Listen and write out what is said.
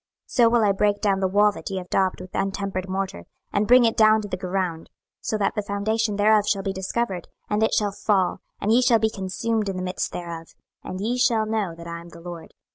26:013:014 So will I break down the wall that ye have daubed with untempered morter, and bring it down to the ground, so that the foundation thereof shall be discovered, and it shall fall, and ye shall be consumed in the midst thereof: and ye shall know that I am the LORD.